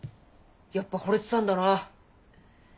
やっぱほれてたんだな。